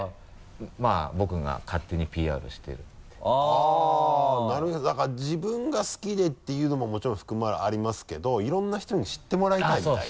あっなるへそだから自分が好きでっていうのももちろんありますけどいろんな人に知ってもらいたいみたいな？